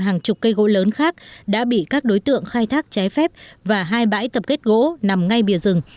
hàng chục cây gỗ lớn khác đã bị các đối tượng khai thác trái phép và hai bãi tập kết gỗ nằm ngay bìa rừng